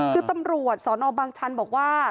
คือตำรวจสนบางชันบอกว่า